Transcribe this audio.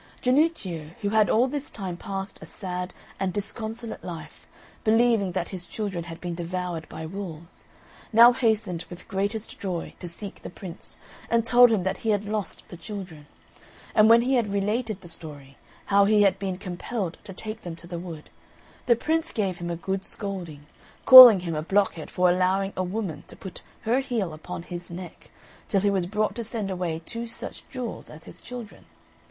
Jannuccio, who had all this time passed a sad and disconsolate life, believing that his children had been devoured by wolves, now hastened with the greatest joy to seek the Prince, and told him that he had lost the children. And when he had related the story, how he had been compelled to take them to the wood, the Prince gave him a good scolding, calling him a blockhead for allowing a woman to put her heel upon his neck till he was brought to send away two such jewels as his children.